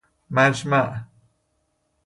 مجمع